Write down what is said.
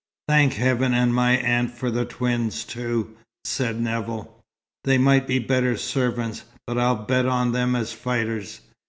"Thank heaven and my aunt for the twins, too," said Nevill. "They might be better servants, but I'll bet on them as fighters.